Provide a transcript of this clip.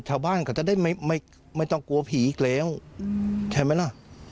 ชาวบ้านเขาจะได้ไม่ไม่ไม่ต้องกลัวผีแกร้วอืมใช่ไหมล่ะ